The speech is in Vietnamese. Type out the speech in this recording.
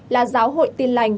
là giáo hội tin lành